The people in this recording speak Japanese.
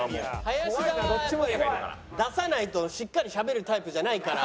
林田は出さないとしっかりしゃべるタイプじゃないから。